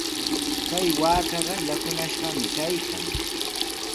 Kay waakaqa yakunashqami kaykan.